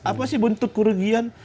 apa sih bentuk kerugian